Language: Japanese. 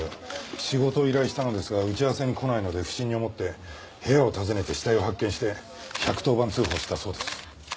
仕事を依頼したのですが打ち合わせに来ないので不審に思って部屋を訪ねて死体を発見して１１０番通報したそうです。